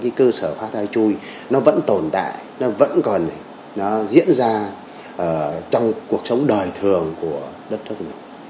cái cơ sở phát thai chui nó vẫn tồn tại nó vẫn còn nó diễn ra trong cuộc sống đời thường của đất nước mình